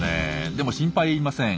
でも心配いりません。